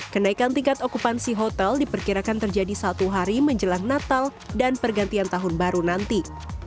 kenaikan tingkat okupansi hotel diperkirakan terjadi satu hari menjelang natal dan pergantian tahun baru nanti